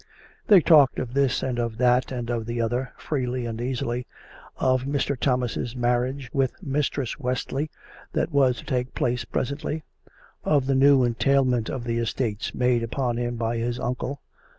They talked of this and of that and of the other, freely and easily — of Mr. Thomas' marriage with Mistress West ley that was to take place presently; of the new entail ment of the estates made upon him by his uncle.